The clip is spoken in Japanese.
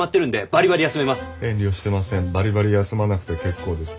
バリバリ休まなくて結構です。